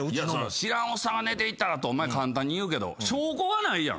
知らんおっさんが寝ていったらとお前簡単に言うけど証拠がないやん。